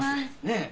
ねえ。